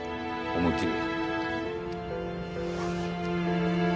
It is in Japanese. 思いっきり。